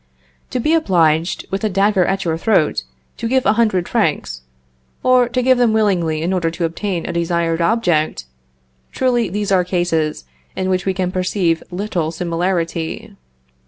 To be obliged, with a dagger at your throat, to give a hundred francs, or to give them willingly in order to obtain a desired object, truly these are cases in which we can perceive little similarity.